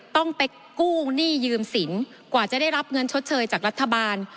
ต้องไปกู้หนี้ยืมสินกว่าจะได้รับเงินชดเชยจากรัฐบาล